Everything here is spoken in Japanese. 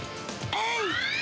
えい」